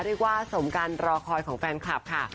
เรียกว่าสมการรอคอยของแฟนคลับค่ะ